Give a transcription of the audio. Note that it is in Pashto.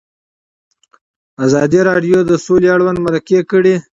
ازادي راډیو د سوله اړوند مرکې کړي.